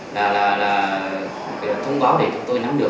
thông báo để chúng tôi nắm được